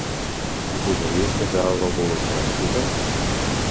Em posaries més alt el volum de la música?